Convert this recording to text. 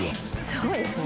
すごいですね